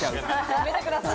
やめてください。